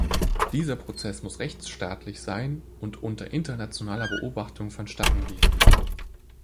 Dieser Prozess muss rechtsstaatlich sein und unter internationaler Beobachtung vonstatten gehen.